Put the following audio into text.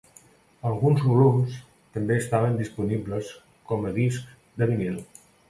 Alguns volums també estaven disponibles com a discs de vinil.